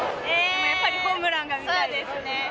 やっぱりホームランが見たいです。